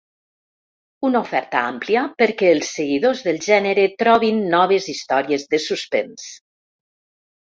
Una oferta àmplia perquè els seguidors del gènere trobin noves històries de suspens.